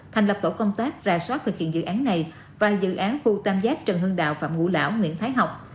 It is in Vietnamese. thành lập tổ công tác ra soát thực hiện dự án này và dự án khu tam giác trần hưng đạo phạm ngũ lão nguyễn thái học